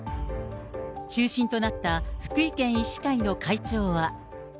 中心となった福井県医師会の会長は。